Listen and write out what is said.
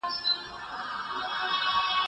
زه به سبا د کتابتون پاکوالی کوم.